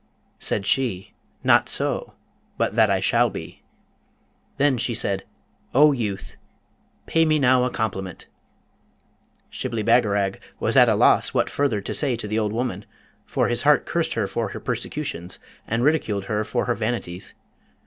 Said she, 'Not so, but that I shall be.' Then she said, 'O youth, pay me now a compliment!' Shibli Bagarag was at a loss what further to say to the old woman, for his heart cursed her for her persecutions, and ridiculed her for her vanities.